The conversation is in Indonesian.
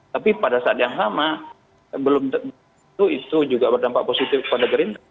tapi pada saat yang sama belum tentu itu juga berdampak positif pada gerindra